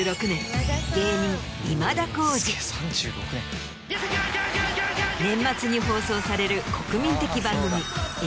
年末に放送される国民的番組。